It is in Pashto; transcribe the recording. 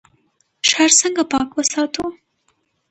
ښار څنګه پاک وساتو؟